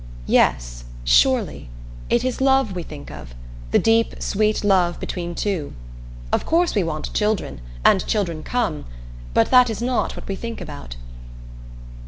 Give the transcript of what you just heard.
"Yes, surely. It is love we think of the deep sweet love between two. Of course we want children, and children come but that is not what we think about."